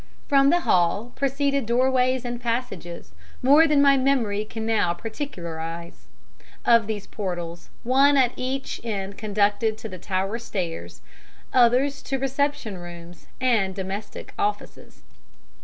"From the hall proceeded doorways and passages, more than my memory can now particularize. Of these portals, one at each end conducted to the tower stairs, others to reception rooms and domestic offices.